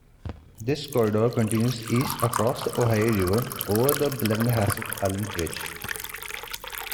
This corridor continues east across the Ohio River over the Blennerhassett Island Bridge.